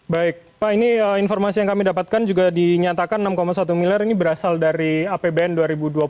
baik pak ini informasi yang kami dapatkan juga dinyatakan enam satu miliar ini berasal dari apbn dua ribu dua puluh